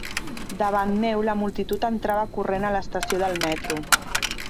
Davant meu la multitud entrava corrent a l'estació del Metro